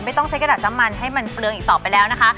ต้องใช้กระดาษน้ำมันให้มันเปลืองอีกต่อไปแล้วนะคะ